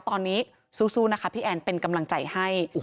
ตอนนี้สู้นะคะพี่แอนเป็นกำลังใจให้